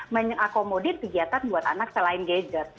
mengakomodir kegiatan buat anak selain gadget